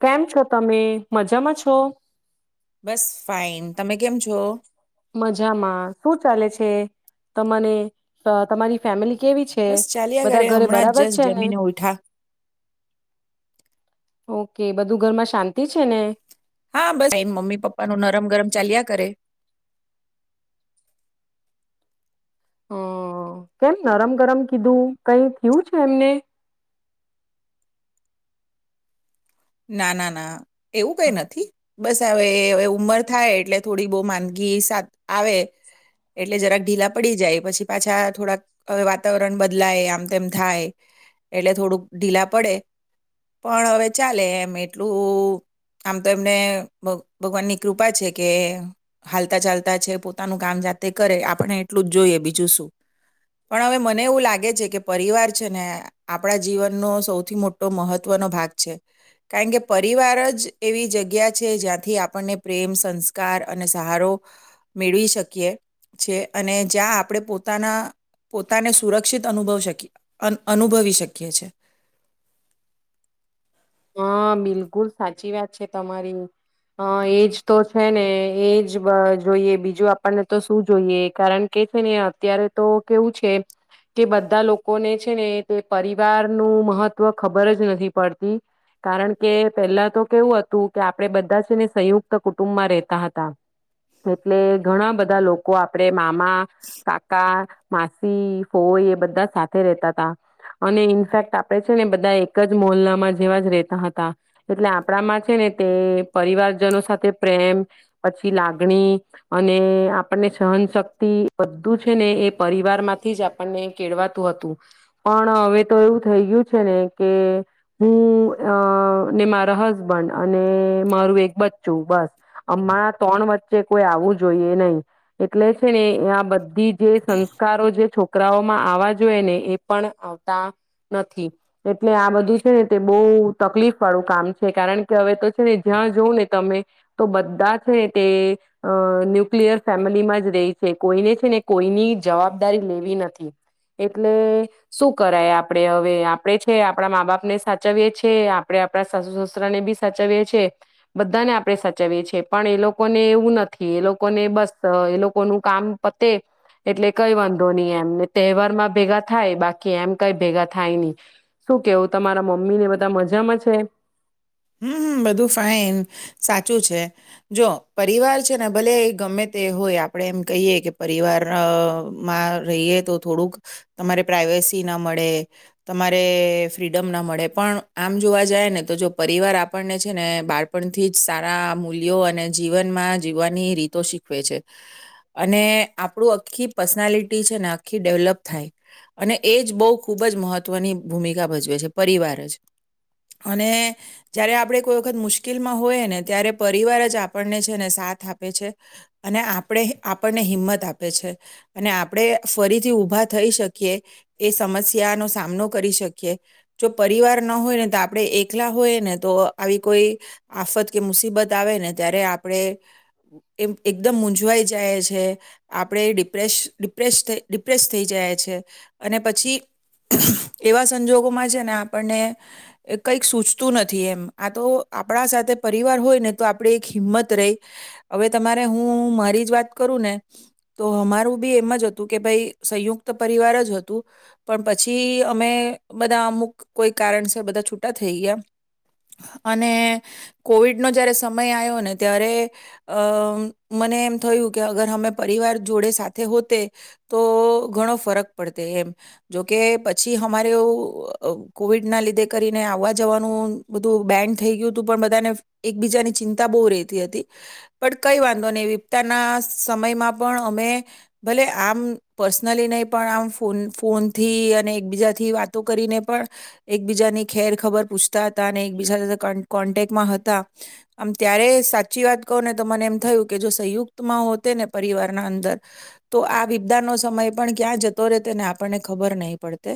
કેમ છો તમે મજામાં છો. બસ ફાઈન તમે કેમ છો. મજામાં શું ચાલે છે, તને તમારી ફેમિલી. કેવી છે બસ ચાલ્યા બધા ઘરે હમણાં જ બરાબર જસ છે ને જમીને ઉઠા. ઓકે બધું ઘરમાં શાંતિ છે, ને. હા બસ મમ્મી પપ્પાનું નરમ ગરમ ચાલ્યા કરે. હમ કેમ નરમ ગરમ કીધું કઈ થયું છે એમને ના ના ના. એવું કઈ નથી. બસ હવે ઉંમર થાય એટલે થોડી બહુ માંદગી સા આવે એટલે જરાક ઢીલા પડી જાય પછી પાછા થોડાક હવે વાતાવરણ બદલાય આમ તેમ થાય એટલે થોડુંક ઢીલા પડે પણ હવે ચાલે એમ એટલું આમ તો એમને ભગવાનની કૃપા છે કે હાલતા ચાલતા છે પોતાનું કામ જાતે કરે આપણે એટલું જ જોઈએ બીજું શું. પણ હવે મને એવું લાગે છે કે પરિવાર છે ને આપણા જીવનનો સૌથી મોટો મહત્વનો ભાગ છે. કારણ કે પરિવાર જ એવી જગ્યા છે જ્યાંથી આપણને પ્રેમ સંસ્કાર અને સહારો મેળવી શકીએ છે. અને જ્યાં આપણે પોતાના પોતાને સુરક્ષિત અનુભવી શકીએ અનુભવી શકીએ છે. હ બિલકુલ સાચી વાત છે તમારી હ એજ તો છે ને એજ જોઈએ બીજું આપણને તો શું જોઈએ કારણ કે છે ને અત્યારે તો કેવું છે કે બધા લોકોને છે ને તે પરિવાર નું મહત્વ ખબર જ નથી પડતી. કારણ કે પેલા તો કેવું હતું કે આપણે બધા છે ને સંયુક્ત કુટુંબમાં રેતા હતા એટલે ઘણા બધા લોકો આપડે મામા, કાકા માસી, ફોઈ એ બધા સાથે રેતા હતા. અને ઇનફેક્ટ આપડે છે ને બધા એક જ મોલ્લામાં જેવા જ રતા હતા. એટલે આપણામાં છે ને તે પરિવારજનો સાથે પ્રેમ પછી લાગણી અને આપણને સહનશક્તિ બધું છે ને એ પરિવાર માંથી જ આપણને કેળવાતું હતું પણ હવે તો એવું થઈ ગયું છે ને કે હું અ ને મારા હસબન્ડ અને મારું એક બચ્ચું બસ અમા ત્રણ વચ્ચે કોઈ આવવું જોઈએ નહી, એટલે છે ને આ બધી જે સંસ્કારો જે છોકરાઓમાં આવવા જોઈએ ને એ પણ આવતા નથી. એટલે આ બધું છે ને તે બહુ તકલીફ વાળું કામ છે. કારણ કે હવે તો ને જ્યાં જવં ને તમે તો બધા છે તે અ ન્યુક્લિયર ફેમિલીમાં જ રહી છે. કોઈને છે ને કોઈની જવાબદારી લેવી નથી એટલે શું કરાય આપણેે હવે આપણેે છે આપણા મા બાપ ને સાચવીએ છીએ આપડણે આપણા સાસુ સસુરાને બી સાચવીએ છીએ બધાને આપડણે સાચવીએ છીએ પણ એ લોકોને એવું નથી એ લોકોને બસ એ લોકો ન કામ પતે એટલે કઈ વાંધો નહી એમને તહેવાર માં ભેગા થાય બાકી એમ કઈ ભેગા થાય નહી. શું કેવું? તમારા મમ્મી ને બધા મજામાં છે? હમ્મ હમ્મ બધું ફાઈન સાચું છે જો પરિવાર છે ને ભલે ગમે તે હોય આપણે એમ કહીએ કે પરિવાર અ માં રહીએ તો થોડુંક તમારે પ્રઇવેસી ના મળે તમારે ફ્રીડમ ના મળે પણ આમ જોવા જાય ને તો જો પરિવાર આપણને છે ને બાળપણથી જ સારા મૂલ્યો અને જીવનમાં જીવવાની રીતો શીખવે છે અને આપણું આખી પર્સનાલિટી છે ને આખી ડેવલપ થાય અને એ જ બહુ ખૂબ જ મહત્ત્વની ભૂમિકા ભજવે છે, પરિવાર જ અને જયારે આપણે કોઈ વખત મુશ્કેલમાં હોય ને ત્યારે પરિવાર જ આપણને છે ને સાથ આપે છે. અને આપણે આપણને હિંમત આપે છે અને આપણે ફરીથી ઉભા થઈ શકીએ એ સમસ્યાનો સામનો કરી શકીએ જો પરિવાર ન હોય ને તો આપણે એક લા હોય ને તો આવી કોઈ આફત કે મુસીબત આવે ને ત્યારે આપણે એ એકદમ મૂઝવાઈ જાય છે. આપણે ડિપ્રે ડિપ્રેસ ડિપ્રેસ થઈ જાય છે અને પછી એવા સંજોગોમાં છે ને આપણને કઈક સૂચતું નથી એમ આ તો આપણા સાથે પરિવાર હોય ને તો આપડી એક હિંમત રહી હવે તમારે હું મારી જ વાત કરું ને તો અમારું બી એમ જ હતું કે ભાઈ સંયુક્ત પરિવાર જ હતું પણ પછી અમે બધા અમુક કોઈ કારણ સર બધા છુ ટા થઈ ગયા. અને કોવિડ નો જયારે સમય આવ્યો ને ત્યારે અ મને એમ થયું કે અગર અમે પરિવાર જોડે સાથે હોતે તો ઘણો ફરક પડતો એમ જોકે પછી અમારે એઉ કોવિડ ના લીધે ખરી ને આવવા જવાનું બધું બેન્ડ થઈ ગયું હતું પણ બધાને એકબીજાની ચિંતા બહુ રહેતી હતી. પણ કંઈ વાંધો નહીં વિપતાના સમયમાં પણ અમે ભલે આમ પર્સનલી નહીં પણ આમ ફોન ફોનથી અને એકબીજાથી વાતો કરીને પણ એકબીજાની ખેર ખબર પૂછતા હતા. અને એકબીજા સાથે કોન્ટેક્ટમાં હતા આમ ત્યારે સાચી વાત કહ ને તો મને એમ થયું કે જો સંયુક્તમાં હોતે ને પરિવારના અંદર તો આ બીપદા નો સમય પણ ક્યાં જતો રહેતો ને આપણને ખબર નહી પડતે.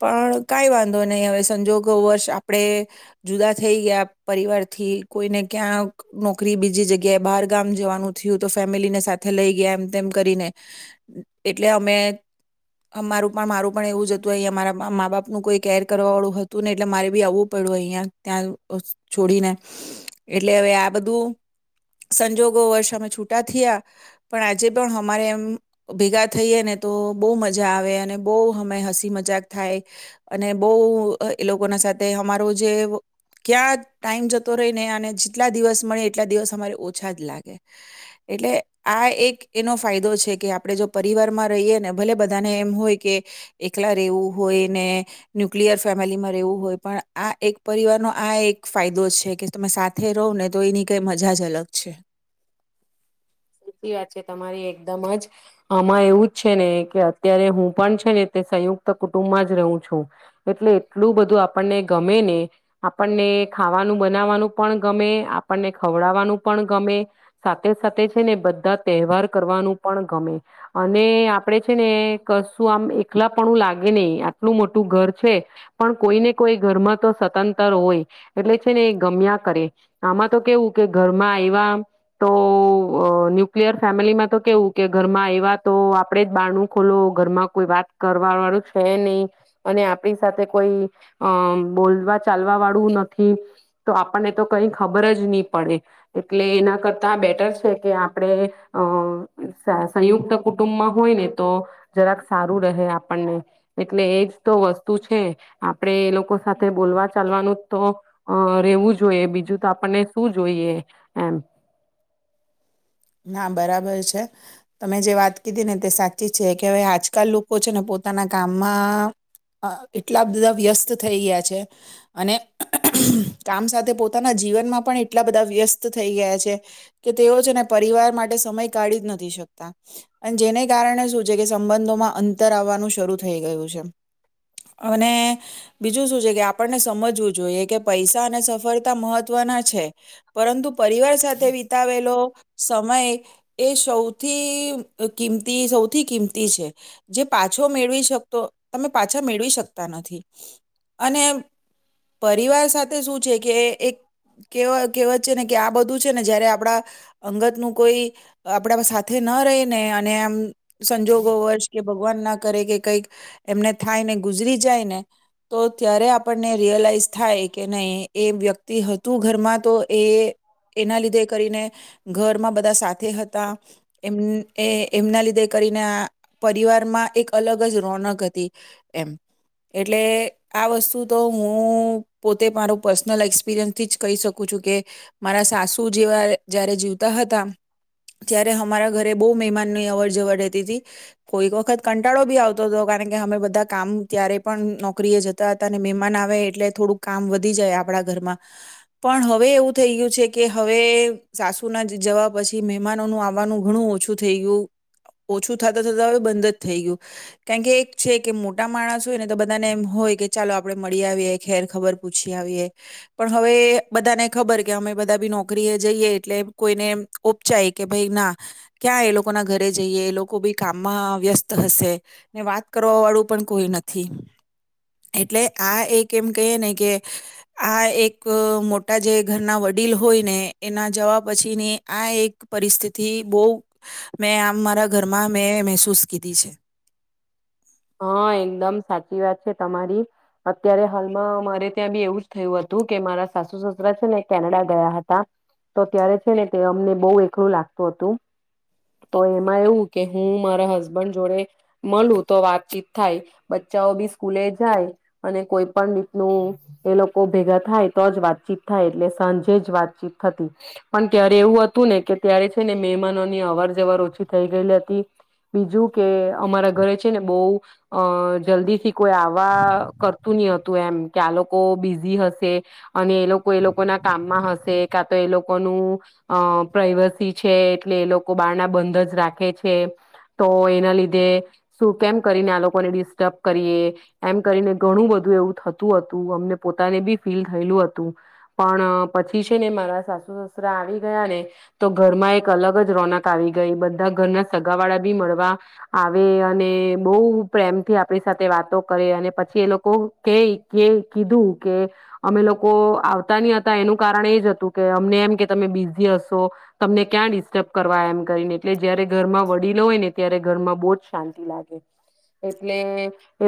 પણ કઈ વાંધો નહીં હવે સંજોગ ગૌ વર્ષ આપણે જુદા થઈ ગયા પરિવાર થી કોઈને ક્યાં નોકરી બીજી જગ્યાએ બહાર ગામ જવાનું થયું તો ફેમિલીને સાથે લઈ ગયા એમ તેમ કરીને એટલે અમે અમારું પણ મારું પણ એવું જ હતું અહી અમારા મા બાપનું કોઈ કેર કરવા વાળું હત તું નેય એટલે મારે બી આવવું પડ્યું અહિયાં ત્યાં છોડીને એટલે હવે આ બધું સંજોગો વર્ષ અમે છૂટા થિયા પણ આજે પણ અમારે એમ ભેગા થઈએ ને તો બહુ મજા આવે અને બહુ અમે હસી મજાક થાય અને બહ એ લોકોના સાથે અમારો જે ક્યાં ટાઈમ જતો રહી ને અને જેટલા દિવસ મળે એટલા દિવસ અમારે ઓછા જ લાગે. એટલે આ એક એનો ફાયદો છે કે આપણે જો પરિવારમાં રહીએ ને ભલે બધાને એમ હોય કે એકલા રહેેવું હોય ને ન્યુક્લિયર ફેમિલીમાં રહેવું હોય. પણ આ એક પરિવારનો આ એક ફાયદો છે કે તમે સાથે રહો ને તો એની કઈ મજા જ અલગ છે. સાચી વાત છે તમારી એકદમ જ આમાં એવું જ છે ને કે અત્યારે હું પણ છે ને તે સંયુક્ત કુટુંબમાં જ રહું છું એટલે એટલું બધું આપણને ગમે ને આપણને ખાવાનું બનાવાનું પણ ગમે આપણને ખવડાવવાનું પણ ગમે સાથે સાથે જ છે ને બધા તહેવાર કરવાનું પણ ગમે. અને આપડે છે ને કશું આમ એકલા પણું લાગે નહી આટલું મોટું ઘર છે પણ કોઈને કોઈ ઘરમાં તો સતંતર હોય એટલે છે ને એ ગમ્યા કરે આમાં તો કેવું કે ઘરમાં આવ્યા તો અ ન્યુક્લિયર ફેમિલીમાં તો કેવું કે ઘરમાં એવા તો આપણે જ બહારણું ખોલો ઘરમાં કોઈ વાત કરવા વાળું છે નહી અને આપણી સાથે કોઈ અ બોલવા ચાલવા વાળું નથી તો આપણને તો કઈ ખબર જ નહી પડે એટલે એના કરતા આ બેટર છે. કે આપણે અ સંયુક્ત કુટુંબમાં હોય ને તો જરાક સારું રહે આપણને એટલે એજ તો વસ્તુ છે આપણેે એ લોકો સાથે બોલવા ચાલવાનું તો અ રહેેવું જોઈએ બીજું તો આપણને શું જોઈએ એમ. ના બરાબર છે તમે જે વાત કીધી ને તે સાચી જ છે કે હવે આજકાલ લોકો છે ને પોતાના કામમાં અ એટલા બધા વ્યસ્ત થઈ ગયા છે અને કામ સાથે પોતાના જીવનમાં પણ એટલા બધા વ્યસ્ત થઈ ગયા છે કે તેઓ છે ને પરિવાર માટે સમય કાઢી જ નથી શકતા. અને જેને કારણે શું છે કે સંબંધોમાં અંતર આવવાનું શરૂ થઈ ગયું છે. અને બીજું શું છે કે આપણને સમજવું જોઈએ કે પૈસા અને સફળતા મહત્વના છે પરંતુ પરિવાર સાથે વિતાવેલો સમય એ સૌથી કિંમતી સૌથી કિંમતી છે. જે પાછો મેળવી શકતો તમે પાછા મેળવી શકતા નથી. અને પરિવાર સાથે શું છે કે એક કેવા કેવત છે ને કે આ બધું છે ને જયારે આપડા અંગત નું કોઈ આપડા સાથે ન રહી ને અને એમ સંજોગો વર્ષ કે ભગવાન ના કરે કે કંઈક એમને થાય ને ગુજરી જાય ને તો ત્યારે આપણને રિયલાઈઝ થાય કે નહી એ વ્યક્ત તિ હતું ઘરમાં તો એ એના લીધે કરીને ઘરમાં બધા સાથે હતા. એમ એ એમના લીધે કરીને આ પરિવારમાં એક અલગ જ રોનક હતી એમ એટલે આ વસ્તુ તો હું પોતે મારું પર્સનલ એક્સપિરિયન્સ થી જ કહી શકું છું કે મારા સાસુ જેવા જ્યારે જી તા હતા ત્યારે અમારા ઘરે બહુ મહેમાનની અવર જવર રહેતી હતી કોક વખત કંટાળો બી આવતો હતો કારણ કે અમે બધા કામ ત્યારે પણ નોકરીએ જતા હતા અને મહેમાન આવે એટલે થોડું કામ વધી જાય આપણા ઘરમાં પણ હવે એવું થઈ ગયું છે કે હવે સાસુ ના જવા પછી મહેમાનોનું આવવાનું ઘણું ઓછું થઈ ગયું ઓછું થત થત હવે બંધ જ થઈ ગયું. કારણ કે એક છે કે મોટા માણસ હોય ને તો બધાને એમ હોય કે ચાલો આપણે મળી આવીએ ખેર ખબર પૂછી આવીએ પણ હવે બધાને ખબર કે અમે બધા બી નોકરી એ જઈએ એટલે કોઈને ઉપપચાય કે ભાઈ ના ક્યાં એ લોકોના ઘરે જઈએ એ લોકો બી કામમાં વ્યસ્ત હશે ને વાત કરવા વાળું પણ કોઈ નથી. એટલે આ એક એમ કહીએ ને કે આ એક મોટા જે ઘરના વડીલ હોય ને એના જવાબ પછીની આ એક પરિસ્થિતિ બહ મેં આ મારા ઘરમાં મેં મહેસૂસ કીધી છે. હા એકદમ સાચી વાત છે તમારી અત્યારે હાલમાં મારે ત્યાં બી એવું જ થયું હતું કે મારા સાસુ સસરા છે ને કેનેડા ગયા હતા તો અત્યારે છે ને અમને બહ એકરું લાગતું હતું તો એમાં એવું કે હું મારા હસબન્ડ જોડે મલૂ તો વાતચીત થાય બચ્ચાઓ બી સ્કૂલે જાય અને કોઈ પણ રીતનું એ લોકો ભેગા થાય તો જ વાતચીત થાય એટલે સાંજે જ વાતચીત થતી પણ ક્યારે એવું હતું ને કે ત્યારે છે ને મહેમાનોની અવર જવર ઓછી થઈ ગયેલી હતી બીજું કે અમારા ઘરે ને બહુ અ જલ્દીથી કોઈ આવવા કરતું નહી હતું એમ કે આ લોકો બિઝી હશે અને એ લોકો એ લોકોના કામમાં હશે કા તો એ લોકોનું અ પ્રઇવસી છે એટલે એ લોકો બાર ના બંધ જ રાખે છે તો એના લીધે શું કેમ કરીને આ લોકોને ડિસ્ટર્બ કરીએ એમ કરીને ઘણું બધું એવું થતું હતું અમને પોતાને બી ફીલ થયેલું હતું પણ પછી છે ને મારા સાસુ સસરા આવી ગયા ને તો ઘરમાં એક અલગ જ રોનક આવી ગઈ બધા ઘરના સગાવાળા બી મળવા આવે અને બહુ પ્રેમથી આપણી સાથે વાતો કરે અને પછી એ લોકો કે કે કીધું કે અમે લોકો આવતા નહી હતા એનું કારણ એજ હતું કે અમને એમ કે તમે બિઝી હશો તમને ક્યાં ડિસ્ટર્બ કરવા એમ કરીને એટલે જયારે ઘરમાં વડીલો હોય ને ત્યારે ઘરમાં બહુ જ. શાંતિ લાગે એટલે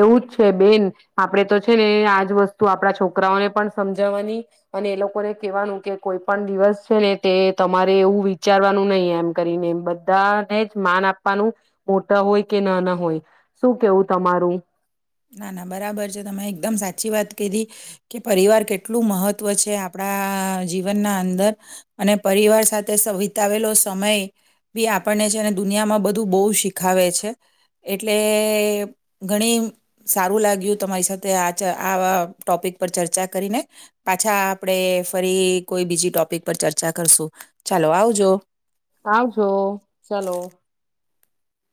એવું જ છે બેન આપડે તો છે ને આજ વસ્તુ આપડા છોકરાઓને પણ સમજાવવાની અને એ લોકોને કેવાનું કે કોઈ પણ દિવસ છે ને તે તમારે એવું વિચારવાનું નહીં એમ કરીને એ બધાને જ માન આપવાનું મોટા હોય કે ના ના હોય શું કેવું તમારું ના ના બરાબર છે તમે એકદમ સાચી વાત કીધી કે પરિવાર કેટલું મહત્ત્વ છે આપણા જીવનના અંદર અને પરિવાર સાથે વિતાવેલો સમય બી આપણને છેને દુનિયામાં બધું બહુ શીખાવે છે એટલે ઘણી સારું લાગ્યું તમારી સાથે આ આ ટોપિક પર ચર્ચા કરીને પાછા આપણે ફરી કોઈ બીજી ટોપિક પર ચર્ચા કરશું ચાલો આવજો આવજો ચલો